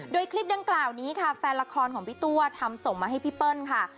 โดยคลิปดังกล่าวนี้ค่ะแฟนละครของพี่ตัวทำส่งมาให้พี่เปิ้ลค่ะ